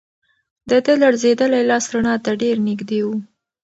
د ده لړزېدلی لاس رڼا ته ډېر نږدې و.